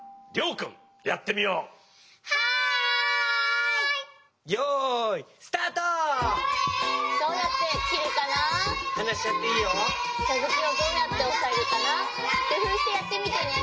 くふうしてやってみてね。